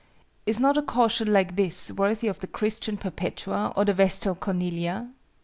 Is not a caution like this worthy of the Christian Perpetua or the Vestal Cornelia?